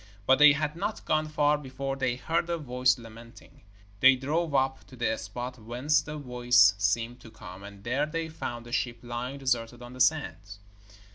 But they had not gone far before they heard a voice lamenting. They drove up to the spot whence the voice seemed to come, and there they found a ship lying deserted on the sands.